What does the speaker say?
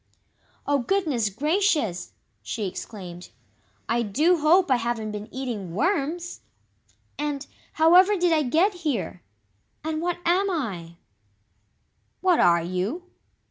"Oh, goodness gracious!" she exclaimed. "I DO hope I haven't been eating WORMS! And, however did I get here? And what am I?" "What are you?"